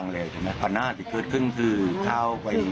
ทรงกลางเหลภาณาที่เสร็จขึ้นคือขาวไป